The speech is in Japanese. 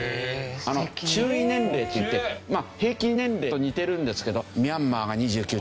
中位年齢っていって平均年齢と似てるんですけどミャンマーが２９．６。